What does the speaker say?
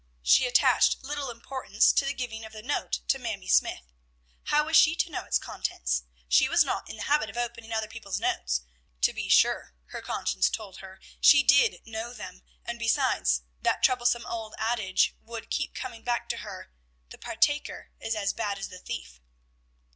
She attached little importance to the giving of the note to Mamie Smythe. How was she to know its contents? She was not in the habit of opening other people's notes. To be sure, her conscience told her, she did know them, and, besides, that troublesome old adage would keep coming back to her, "The partaker is as bad as the thief."